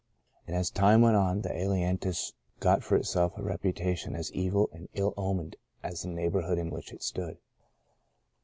And as time went on the ailantus got for itself a reputation as evil and ill omened as the neighbourhood in which it stood.